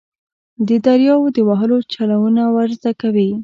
د دریاوو د وهلو چلونه ور زده کوي.